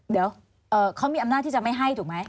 เดี๋ยวเขามีอำนาจที่จะไม่ให้ถูกไหม